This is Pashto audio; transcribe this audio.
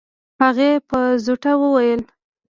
هغې په زوټه وويل.